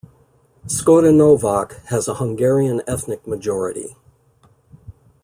Skorenovac has a Hungarian ethnic majority.